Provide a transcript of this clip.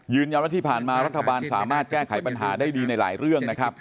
ยืนอย่างว่าที่ผ่านมารัฐบาลสามารถแก้ไขปัญหาได้ดีในหลายเรื่อง